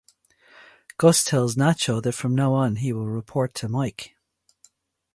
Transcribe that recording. Gus tells Nacho that from now on he will report to Mike.